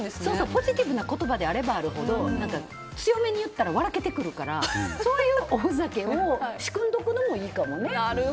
ポジティブな言葉であればあるほど強めで言ったら笑えてくるからそういうおふざけを仕組んでおくのもいいかもね。